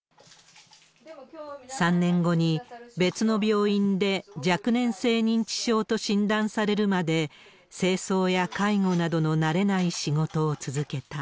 ３年後に別の病院で若年性認知症と診断されるまで、清掃や介護などの慣れない仕事を続けた。